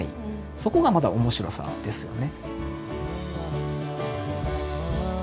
そこがまた面白さですよね。